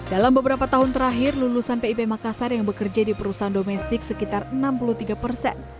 dalam beberapa tahun terakhir lulusan pip makassar yang bekerja di perusahaan domestik sekitar enam puluh tiga persen